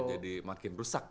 jadi makin rusak gitu ya